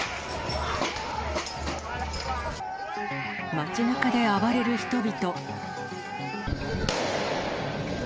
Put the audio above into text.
街なかで暴れる人々。